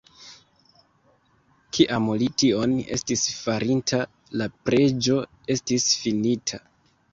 Kiam li tion estis farinta, la preĝo estis finita.